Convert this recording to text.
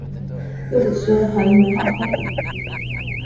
柚子汁还蛮好喝的